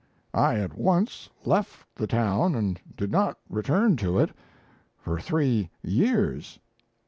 I at once left the town and did not return to it for three years.